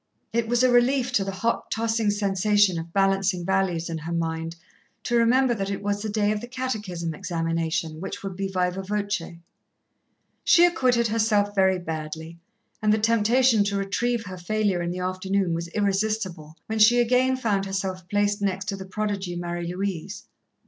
It was a relief to the hot, tossing sensation of balancing values in her mind, to remember that it was the day of the Catechism examination, which would be viva voce. She acquitted herself very badly, and the temptation to retrieve her failure in the afternoon was irresistible, when she again found herself placed next to the prodigy Marie Louise.